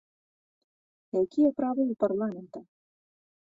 Якія правы ў парламента?